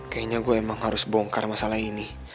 kayaknya gue emang harus bongkar masalah ini